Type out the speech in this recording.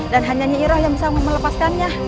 dan hanya nyi iroh yang bisa melepaskannya